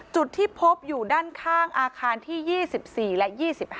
จุดที่พบอยู่ด้านข้างอาคารที่๒๔และ๒๕